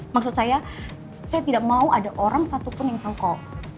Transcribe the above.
maksud saya saya tidak mau ada orang satupun yang tengkol